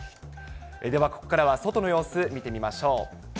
ではここからは、外の様子見てみましょう。